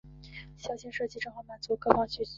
小型化设计正好满足各方所需。